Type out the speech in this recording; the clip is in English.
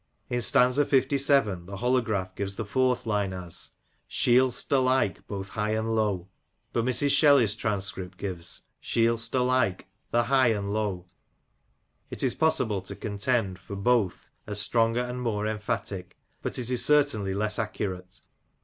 In stanza Ivii. the holograph gives the fourth line as —" Shield'st alike both high and low " but Mrs. Shelley's transcript gives —Shield'st alike the high and low." It IS possible to contend for both as stronger and more emphatic ; but it is certainly less accurate.